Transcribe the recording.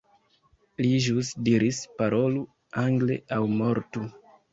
Li ĵus diris: Parolu angle aŭ mortu!